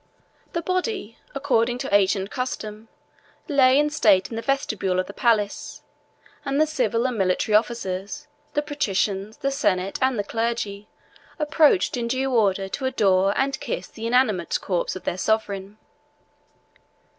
The body, according to ancient custom, lay in state in the vestibule of the palace; and the civil and military officers, the patricians, the senate, and the clergy approached in due order to adore and kiss the inanimate corpse of their sovereign.